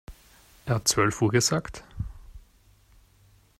Er hat zwölf Uhr gesagt?